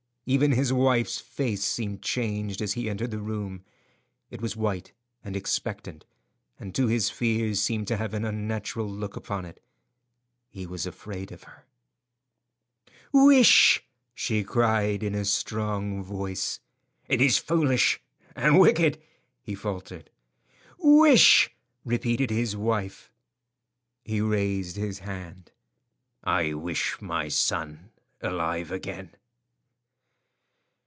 Even his wife's face seemed changed as he entered the room. It was white and expectant, and to his fears seemed to have an unnatural look upon it. He was afraid of her. "Wish!" she cried, in a strong voice. "It is foolish and wicked," he faltered. "Wish!" repeated his wife. He raised his hand. "I wish my son alive again."